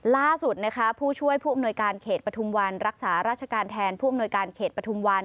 ล่าสุดนะคะผู้ช่วยผู้อำนวยการเขตปฐุมวันรักษาราชการแทนผู้อำนวยการเขตปฐุมวัน